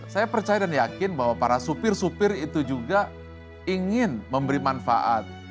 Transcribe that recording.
saya percaya dan yakin bahwa para supir supir itu juga ingin memberi manfaat